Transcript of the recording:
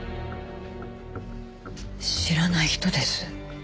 知らない人です。